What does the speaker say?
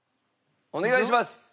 お願いします！